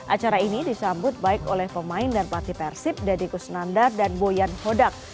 acara ini disambut baik oleh pemain dan pelatih persib deddy kusnandar dan boyan hodak